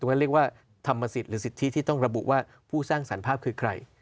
เรียกว่าธรรมสิทธิ์หรือสิทธิที่ต้องระบุว่าผู้สร้างสรรค์คือใคร